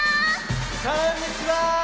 こんにちは！